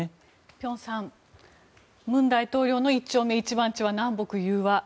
辺さん文大統領の一丁目一番地は南北融和。